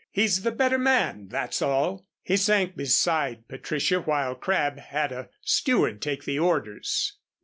"He's the better man, that's all." He sank beside Patricia while Crabb had a steward take the orders.